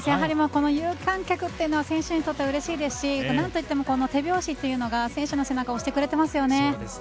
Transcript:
この有観客というのは選手にとってはうれしいですし何といっても手拍子というのが選手の背中を押してくれていますね。